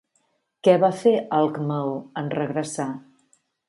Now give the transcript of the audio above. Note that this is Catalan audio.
Què va fer Alcmeó en regressar?